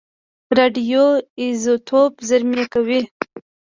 راډیو ایزوتوپ زېرمه کوي.